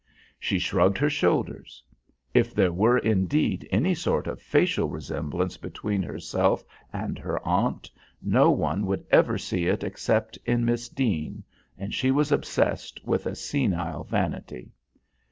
She shrugged her shoulders. If there were indeed any sort of facial resemblance between herself and her aunt, no one would ever see it except in Miss Deane, and she was obsessed with a senile vanity.